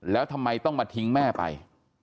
แล้วทำไมต้องมาทิ้งแม่ไป